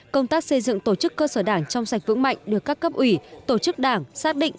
công tác xây dựng tổ chức cơ sở đảng trong sạch vững mạnh được các cấp ủy tổ chức đảng xác định